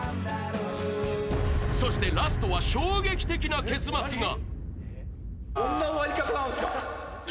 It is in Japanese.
そしてラストは衝撃的な結末が。